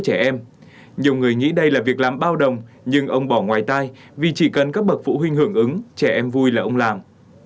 nhiều người nghĩ đây là việc làm bao đồng nhưng ông bỏ ngoài tai vì chỉ cần các bậc phụ huynh hưởng ứng trẻ em vui là ông làm